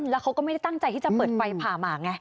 แล้วเขาก็ไม่ได้ตั้งใจที่จะเปิดไฟผ่าหมาไง